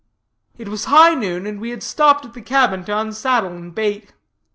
It was nigh noon, and we had stopped at the cabin to unsaddle and bait.